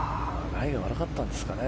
ライが悪かったんですかね。